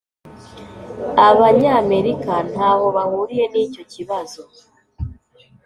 abanyamerika ntaho bahuriye nicyo kibazo.